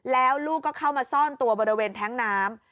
แล้วลูกก็เข้ามาซ่อนตัวบริเวณแท้งน้ำ